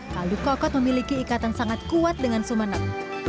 kaldu kokot memiliki ikatan sangat kuat dengan sumeneb